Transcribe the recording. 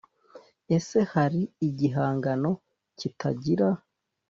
ese hari igihangano kitagira